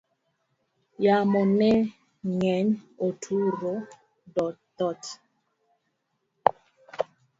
Yamo ne ng'eny oturo dhot